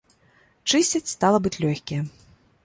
Чысцяць, стала быць, лёгкія.